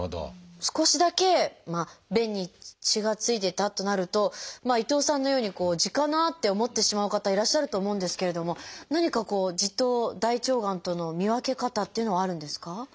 少しだけ便に血が付いてたとなると伊藤さんのように痔かなって思ってしまう方いらっしゃると思うんですけれども何か痔と大腸がんとの見分け方っていうのはあるんですか？